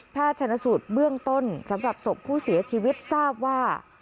ชนะสูตรเบื้องต้นสำหรับศพผู้เสียชีวิตทราบว่า